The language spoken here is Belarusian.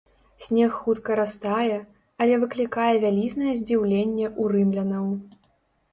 Снег хутка растае, але выклікае вялізнае здзіўленне ў рымлянаў.